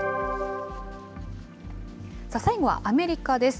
最後はアメリカです。